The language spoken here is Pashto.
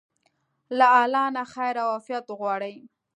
له الله نه خير او عافيت وغواړئ.